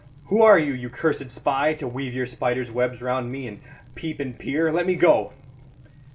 "Who are you, you cursed spy, to weave your spiders' webs round me, and peep and peer? Let me go."